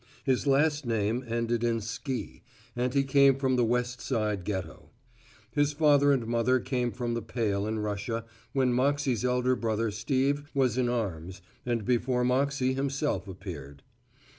His last name ended in sky, and he came from the West side ghetto. His father and mother came from the pale in Russia when Moxey's elder brother Steve was in arms and before Moxey himself appeared.